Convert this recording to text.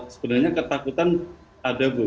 sebenarnya ketakutan ada bu